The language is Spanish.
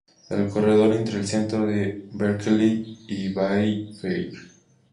El corredor entre el centro de Berkeley y Bay Fair.